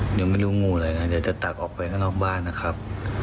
ยังไม่รู้งูอะไรนะเดี๋ยวจะตักออกไปข้างนอกบ้านนะครับ